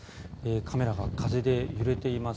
カメラが風で揺れています。